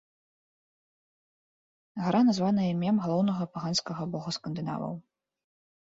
Гара названа імем галоўнага паганскага бога скандынаваў.